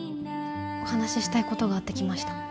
お話ししたいことがあって来ました。